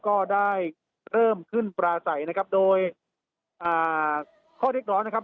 ก็ได้เริ่มขึ้นปลาใสนะครับโดยอ่าข้อเรียกร้องนะครับ